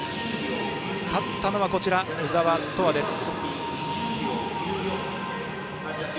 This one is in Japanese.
勝ったのは鵜澤飛羽です。